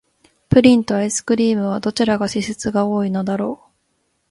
プリンとアイスクリームは、どちらが脂質が多いのだろう。